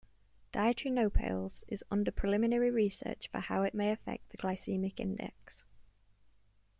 Dietary nopales is under preliminary research for how it may affect the glycemic index.